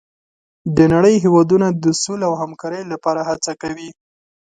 د نړۍ هېوادونه د سولې او همکارۍ لپاره هڅه کوي.